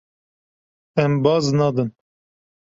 Em baz nadin.